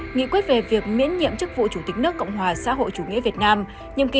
nghị quyết về việc miễn nhiệm chức vụ chủ tịch nước cộng hòa xã hội chủ nghĩa việt nam